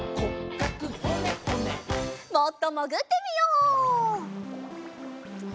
もっともぐってみよう。